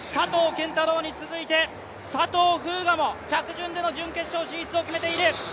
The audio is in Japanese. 拳太郎に続いて佐藤風雅も着順での準決勝進出を決めている。